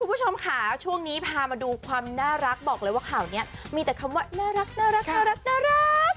คุณผู้ชมค่ะช่วงนี้พามาดูความน่ารักบอกเลยว่าข่าวเนี้ยมีแต่คำว่าน่ารักน่ารักน่ารักน่ารัก